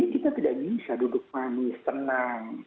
kita tidak bisa duduk manis tenang